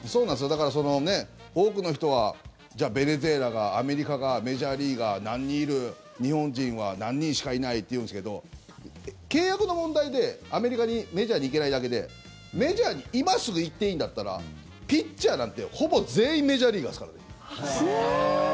だから多くの人はじゃあベネズエラが、アメリカがメジャーリーガー、何人いる日本人は何人しかいないって言うんですけど契約の問題でアメリカにメジャーに行けないだけでメジャーに今すぐ行っていいんだったらピッチャーなんて、ほぼ全員メジャーリーガーですからね。